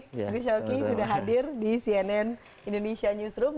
terima kasih gus shawki sudah hadir di cnn indonesia newsroom